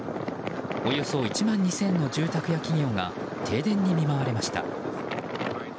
およそ１万２０００の住宅や企業が停電に見舞われました。